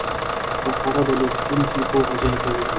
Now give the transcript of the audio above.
فقره د لوستونکي پوهه زیاتوي.